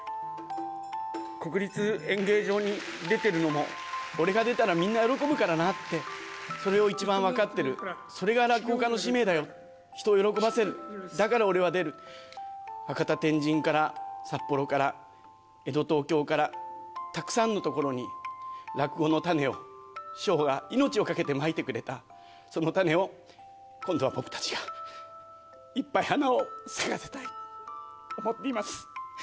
国立演芸場に出てるのも、俺が出たらみんな喜ぶからなって、それを一番分かってる、それが落語家の使命だよ、人を喜ばせる、だから俺は出る、博多天神から、札幌から、江戸東京から、たくさんのところに落語の種を、師匠が命を懸けてまいてくれた、その種を、今度は僕たちがいっぱい花を咲かせたいと思っています。